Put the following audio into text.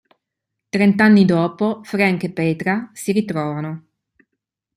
Trent'anni dopo Frank e Petra si ritrovano.